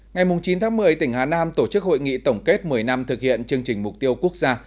ngày chín tháng một mươi tỉnh hà nam tổ chức hội nghị tổng kết một mươi năm thực hiện chương trình mục tiêu quốc gia